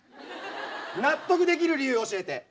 納得できる理由教えて。